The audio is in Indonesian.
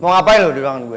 mau ngapain lu di ruangan gue